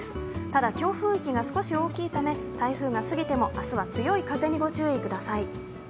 ただ、強風域が少し大きいため台風が過ぎても、明日は強い風にご注意ください。